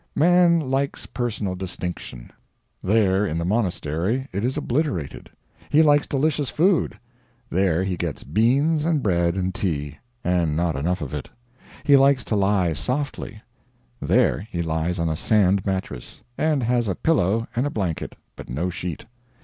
Man likes personal distinction there in the monastery it is obliterated. He likes delicious food there he gets beans and bread and tea, and not enough of it. He likes to lie softly there he lies on a sand mattress, and has a pillow and a blanket, but no sheet.